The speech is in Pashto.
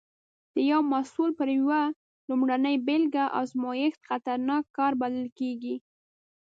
د یو محصول پر یوه لومړنۍ بېلګه ازمېښت خطرناک کار بلل کېږي.